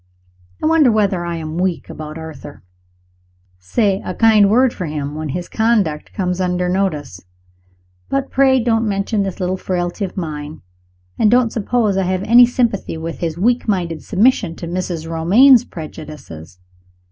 I wonder whether I am weak about Arthur? Say a kind word for him, when his conduct comes under notice but pray don't mention this little frailty of mine; and don't suppose I have any sympathy with his weak minded submission to Mrs. Romayne's prejudices.